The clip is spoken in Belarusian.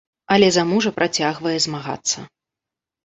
Але за мужа працягвае змагацца.